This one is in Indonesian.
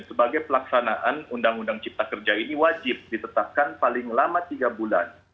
sebagai pelaksanaan undang undang cipta kerja ini wajib ditetapkan paling lama tiga bulan